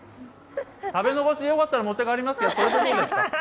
食べ残し、よかったら持って帰りますが、それでどうですか？